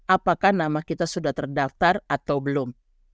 apakah nama kita sudah terdaftar atau belum